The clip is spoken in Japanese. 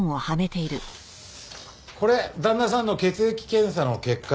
これ旦那さんの血液検査の結果です。